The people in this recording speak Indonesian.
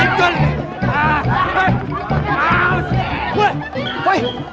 satu subscribe untuk dapat info utama